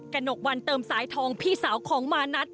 หนกวันเติมสายทองพี่สาวของมานัท